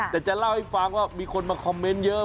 แต่จะเล่าให้ฟังว่ามีคนมาคอมเมนต์เยอะ